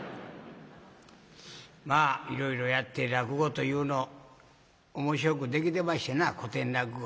まあいろいろやって落語というの面白くできてましてな古典落語。